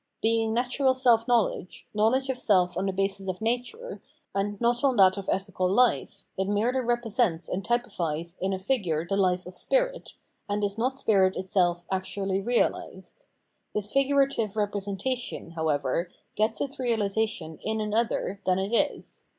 Being natural self know ledge, knowledge of self on the basis of nature, and not on that of ethical hfe, it merely represents a,nd typifies in a figure the life of spirit, and is not spirit itself actually realised. This figurative representation, however, gets its realisation in an other than it is.